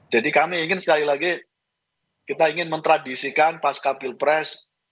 jadi kami ingin sekali lagi kita ingin mentradisikan pasca pilpres